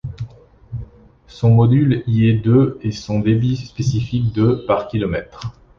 Son module y est de et son débit spécifique de par km.